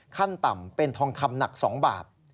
ขั้นต่ำเป็นทองคำหนัก๒บาท